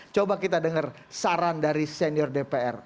coba kita dengar saran dari senior dpr